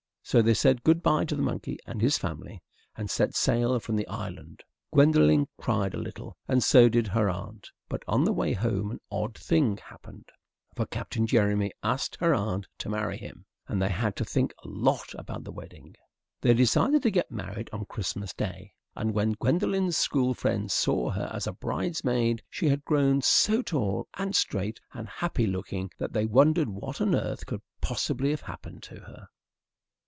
So they said good bye to the monkey and his family, and set sail from the island. Gwendolen cried a little, and so did her aunt; but on the way home an odd thing happened, for Captain Jeremy asked her aunt to marry him, and they had to think a lot about the wedding. They decided to get married on Christmas Day, and when Gwendolen's school friends saw her as a bridesmaid she had grown so tall and straight and happy looking that they wondered what on earth could possibly have happened to her.